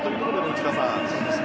内田さん。